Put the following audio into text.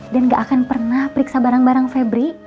dan gak akan pernah periksa barang barang febri